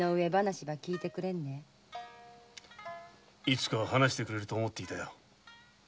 いつか話してくれると思っていたよ。